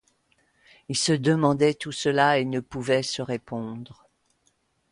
Il se demandait tout cela et ne pouvait se répondre.